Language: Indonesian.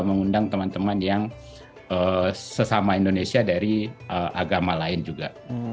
mengundang teman teman yang sesama indonesia dari agama lain juga